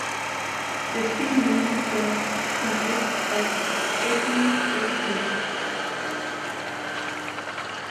The theme music was composed by Edwin Astley.